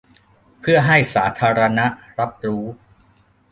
เพื่อให้สาธาณะรับรู้